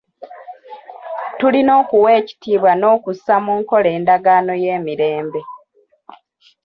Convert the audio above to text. Tulina okuwa ekitiibwa n'okussa mu nkola endagaano y'emirembe.